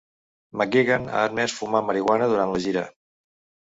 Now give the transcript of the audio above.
McGuigan ha admès fumar marihuana durant la gira.